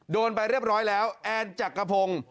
โดนไปเรียบร้อยแล้วแอนจักรพงศ์